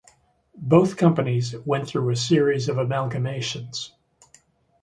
Both companies went through a series of amalgamations.